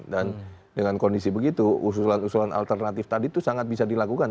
dan dengan kondisi begitu usulan usulan alternatif tadi itu sangat bisa dilakukan